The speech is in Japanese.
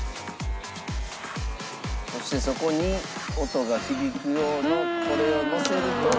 「そしてそこに音が響く用のこれをのせると」